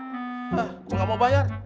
hah gue nggak mau bayar